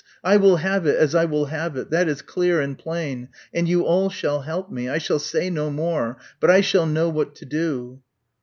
I will have it as I will have it. That is clear and plain, and you all shall help me. I shall say no more. But I shall know what to do."